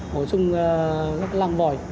bổ sung các lăng vòi